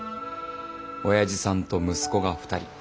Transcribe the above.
おやじさんと息子が２人。